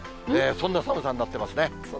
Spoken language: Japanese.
そんな寒さになってますね。